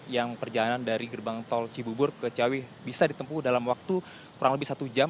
yang perjalanan dari gerbang tol cibubur ke ciawi bisa ditempuh dalam waktu kurang lebih satu jam